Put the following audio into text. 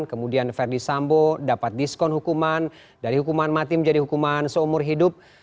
kemudian verdi sambo dapat diskon hukuman dari hukuman mati menjadi hukuman seumur hidup